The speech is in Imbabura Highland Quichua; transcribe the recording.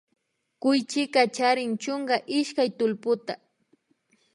Kuychika chrin chunka ishkay tullputa